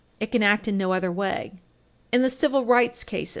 It can act in no other way." In the Civil Rights Cases, 109 U.